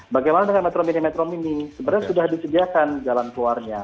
bagaimana dengan metro mini metro mini sebenarnya sudah disediakan jalan keluarnya